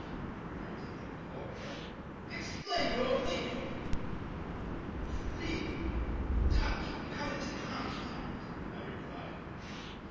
cried he in horror, "explain your meaning." "Feel, touch, come into contact," I replied.